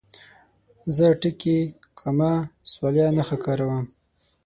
زه ټکي، کامه، سوالیه نښه کاروم.